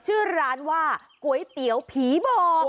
ชื่อร้านว่าก๋วยเตี๋ยวผีบอก